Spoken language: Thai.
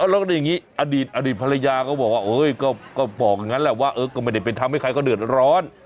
แล้วก็อย่างนี้อดีตอดีตภรรยาก็บอกว่าก็บอกอย่างนั้นแหละว่าก็ไม่ได้เป็นทำให้ใครเขาเดือดร้อน